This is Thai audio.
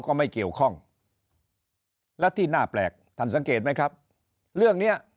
ก็ไม่เกี่ยวข้องและที่น่าแปลกท่านสังเกตไหมครับเรื่องเนี้ย